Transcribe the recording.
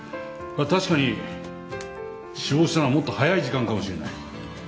確かに死亡したのはもっと早い時間かもしれない。